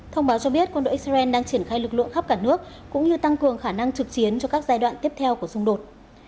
thông báo cho biết quân đội israel đang triển khai lực lượng khắp cả nước cũng như tăng cường khả năng trực chiến cho các giai đoạn tiếp theo của xung đột